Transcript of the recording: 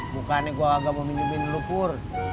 bukannya gue agak mau pinjemin lo pur